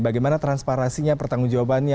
bagaimana transparasinya pertanggung jawabannya